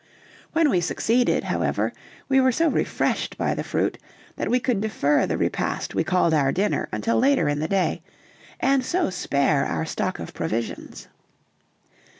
When we succeeded, however, we were so refreshed by the fruit that we could defer the repast we called our dinner until later in the day, and so spare our stock of provisions.